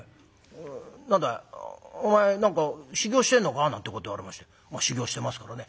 「何だいお前何か修業してんのか？」なんてこと言われまして修業してますからね